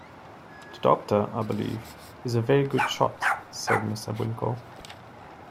‘The doctor, I believe, is a very good shot,’ said Mr. Winkle.